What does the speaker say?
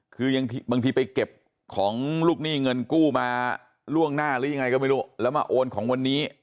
คือยังบางทีไปเก็บของลูกหนี้เงินกู้มาล่วงหน้าหรือยังไงก็ไม่รู้แล้วมาโอนของวันนี้